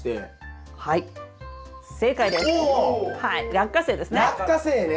ラッカセイですね。